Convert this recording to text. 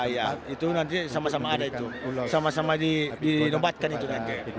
iya itu nanti sama sama ada itu sama sama dinobatkan itu nanti